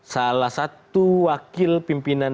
salah satu wakil pimpinan